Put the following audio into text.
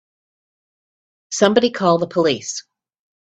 Somebody call the police!